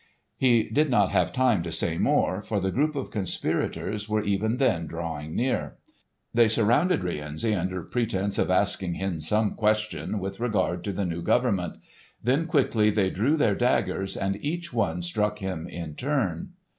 He did not have time to say more, for the group of conspirators were even then drawing near. They surrounded Rienzi under pretence of asking him some question with regard to the new government. Then quickly they drew their daggers and each one struck him in turn.